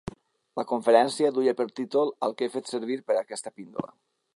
La conferència duia per títol el que he fet servir per a aquesta píndola.